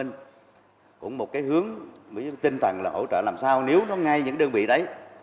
cũng một cái hướng với tinh thần là hỗ trợ làm sao nếu nó ngay những đơn vị đấy